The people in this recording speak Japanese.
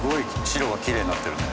白がきれいになってるね。